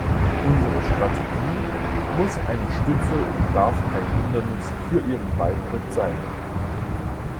Unsere Strategie muss eine Stütze und darf kein Hindernis für ihren Beitritt sein.